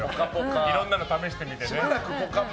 いろんなの試してみてね。